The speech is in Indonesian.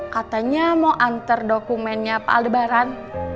katanya mau antar dokumennya pak aldebaran